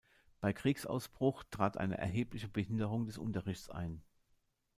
Bei Kriegsausbruch trat eine erhebliche Behinderung des Unterrichts ein.